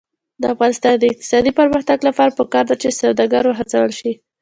د افغانستان د اقتصادي پرمختګ لپاره پکار ده چې سوداګر وهڅول شي.